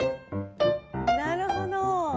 なるほど。